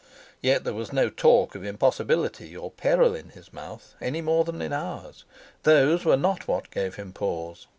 Yet there was no talk of impossibility or peril in his mouth, any more than in ours: those were not what gave him pause.